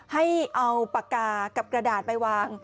ให้เอาปากกากับกระดาษไปวาง